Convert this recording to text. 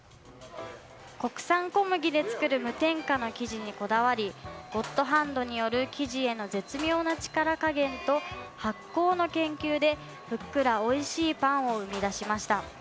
国産小麦で作る無添加の生地にこだわりゴッドハンドによる生地への絶妙な力加減と発酵の研究でふっくらおいしいパンを生み出しました。